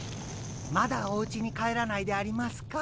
まだおうちに帰らないでありますか？